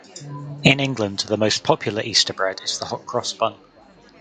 In England the most popular Easter bread is the hot cross bun.